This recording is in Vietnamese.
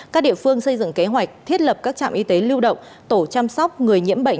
các địa phương xây dựng kế hoạch thiết lập các trạm y tế lưu động tổ chăm sóc người nhiễm bệnh